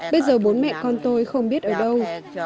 bây giờ bố mẹ con tôi không biết ở đâu